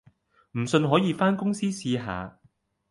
唔信可以番公司試下